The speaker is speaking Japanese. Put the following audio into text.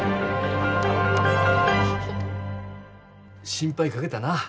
心配かけたな。